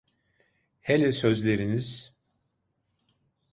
Hele sözleriniz…